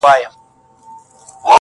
نارنج نارنجي دی.